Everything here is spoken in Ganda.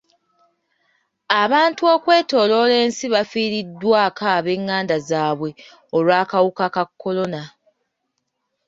Abantu okwetooloola ensi bafiiriddwako ab'enganda zaabwe olw'akawuka ka kolona.